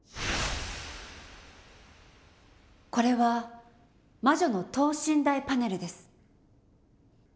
これは魔女の等身大パネルです。